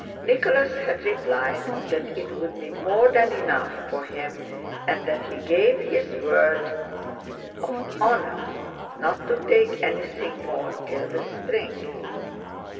Nicholas had replied that it would be more than enough for him and that he gave his word of honor not to take anything more till the spring.